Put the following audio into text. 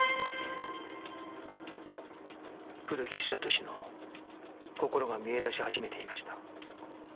古木久俊の心が見え出し始めていました